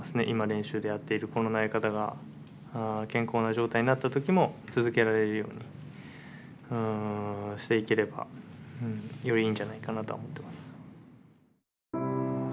今練習でやっているこの投げ方が健康な状態になった時も続けられるようにしていければよりいいんじゃないかなとは思ってます。